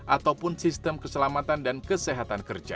ataupun sistem keselamatan dan kesehatan kerja